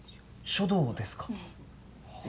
書道ですか。